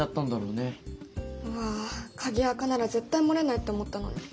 うわあ鍵アカなら絶対漏れないって思ったのに。